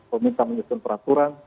pemerintah menyusun peraturan